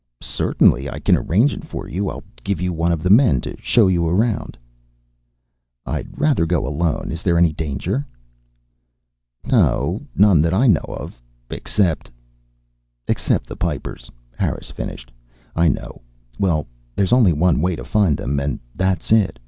"Certainly. I can arrange it for you. I'll give you one of the men to show you around." "I'd rather go alone. Is there any danger?" "No, none that I know of. Except " "Except the Pipers," Harris finished. "I know. Well, there's only one way to find them, and that's it.